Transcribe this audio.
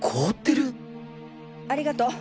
ありがとう。